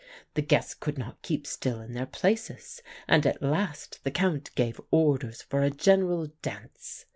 The guests could not keep still in their places, and at last the Count gave orders for a general dance.